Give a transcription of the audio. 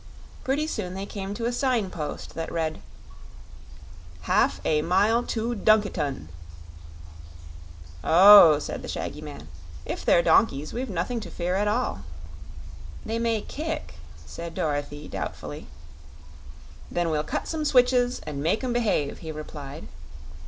Pretty soon they came to a signpost that read: "HAF A MYLE TO DUNKITON." "Oh," said the shaggy man, "if they're donkeys, we've nothing to fear at all." "They may kick," said Dorothy, doubtfully. "Then we will cut some switches, and make them behave," he replied.